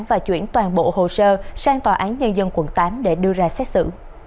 và chuyển toàn bộ hồ sơ sang tòa án nhân dân quận tám để đưa ra xét xử